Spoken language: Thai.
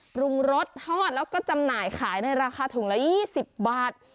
ปรุงรสทอดแล้วก็จำหน่ายขายในราคาถุงละ๒๐บาท